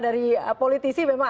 dari politisi memang